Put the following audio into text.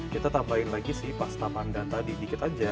kita tambahin lagi si pasta pandan tadi dikit aja